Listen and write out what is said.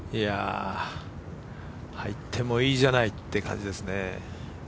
入ってもいいじゃないって感じですね。